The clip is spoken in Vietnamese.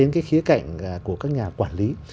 của các nhà quản lý